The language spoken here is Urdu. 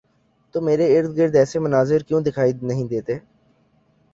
تو میرے ارد گرد ایسے مناظر کیوں دکھائی نہیں دیتے؟